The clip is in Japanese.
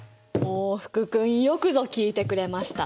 お福君よくぞ聞いてくれました！